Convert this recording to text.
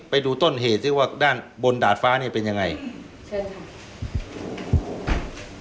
ไปดูต้นเหตุสิว่าด้านบนดาดฟ้าเนี่ยเป็นยังไงเชิญค่ะ